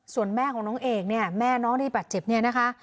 ส่วนแม่ของน้องเอกเนี่ยแม่น้องที่บาดเจ็บเนี่ยนะคะ